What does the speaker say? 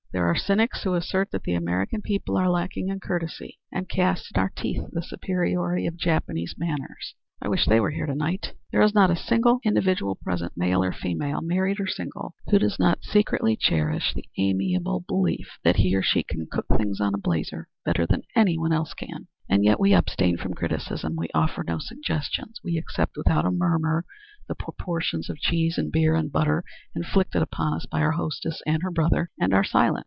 There are cynics who assert that the American people are lacking in courtesy, and cast in our teeth the superiority of Japanese manners. I wish they were here to night. There is not a single individual present, male or female, married or single, who does not secretly cherish the amiable belief that he or she can cook things on a blazer better than any one else. And yet we abstain from criticism; we offer no suggestions; we accept, without a murmur, the proportions of cheese and beer and butter inflicted upon us by our hostess and her brother, and are silent.